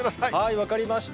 分かりました。